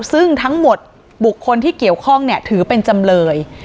ซึ่งทั้งหมดบุคคลที่เกี่ยวข้องเนี่ยถือเป็นจำเลย